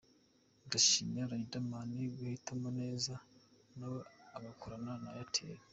Ndashimira Riderman guhitamo neza na we agakorana na Airtel.